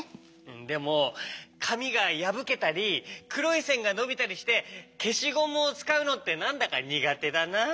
でもかみがやぶけたりくろいせんがのびたりしてけしゴムをつかうのってなんだかにがてだな。